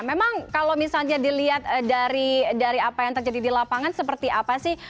memang kalau misalnya dilihat dari apa yang terjadi di lapangan seperti apa sih